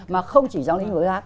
mà không chỉ trong lĩnh vực rác